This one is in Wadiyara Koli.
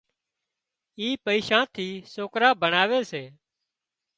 اي پئيشان ٿي سوڪران ڀڻاوي سي